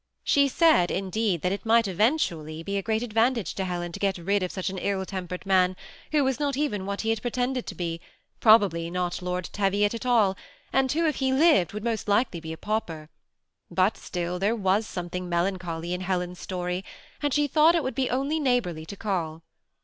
She said, indeed, that she thought it might eventually be a great advantage to THE SEMI ATTACHED COUPLE. 347 Helen to get rid of such an ill tempered man, who was not even what he had pretended to be, — probably not Lord Teviot at all ; and who, if he lived, would most likely be a pauper ; but still, there was something mel ancholy in Helen's story ; and she thought it would be only neighborly to call.